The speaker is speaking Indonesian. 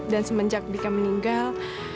dan semenjak dika meninggal